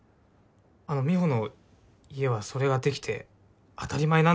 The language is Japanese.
あの美帆の家はそれができて当たり前なんだろうけど。